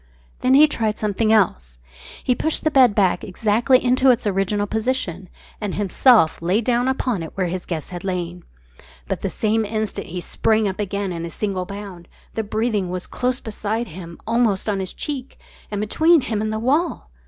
Then he tried something else. He pushed the bed back exactly into its original position and himself lay down upon it just where his guest had lain. But the same instant he sprang up again in a single bound. The breathing was close beside him, almost on his cheek, and between him and the wall!